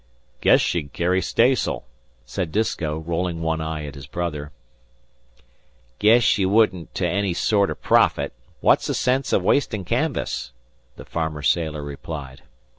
"Guess she'd carry stays'l," said Disko, rolling one eye at his brother. "Guess she wouldn't to any sorter profit. What's the sense o' wastin' canvas?" the farmer sailor replied.